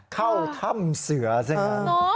เข้าถ้ำเสือสินะ